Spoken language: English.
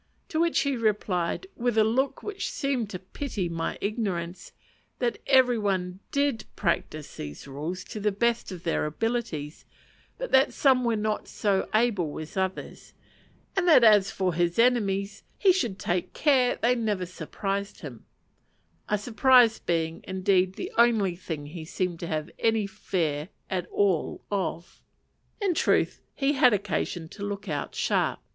To which he replied, with a look which seemed to pity my ignorance, that every one did practise this rule to the best of their abilities, but that some were not so able as others; and that as for his enemies, he should take care they never surprised him: a surprise being, indeed, the only thing he seemed to have any fear at all of. In truth, he had occasion to look out sharp.